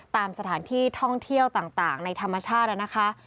ตามสถานที่ท่องเที่ยวต่างในธรรมชาตินะคะ